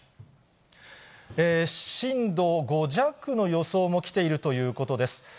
震度５弱の予想も来ているということです。